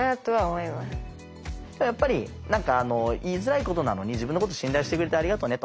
やっぱり何か言いづらいことなのに自分のこと信頼してくれてありがとねと。